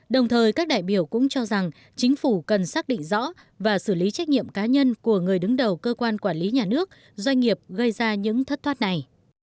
đồng thời các đại biểu cũng cho rằng chính phủ cần xác định rõ và xử lý trách nhiệm cá nhân của người đứng đầu cơ quan quản lý nhà nước doanh nghiệp gây ra những thất thoát này